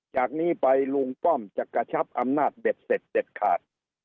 จากนี้ไปลุงป้อมจะกระชับอำนาจเบ็ดเสร็จเด็ดขาด